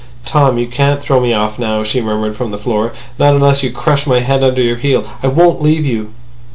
"Tom, you can't throw me off now," she murmured from the floor. "Not unless you crush my head under your heel. I won't leave you."